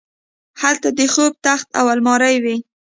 هلته د خوب تخت او المارۍ وې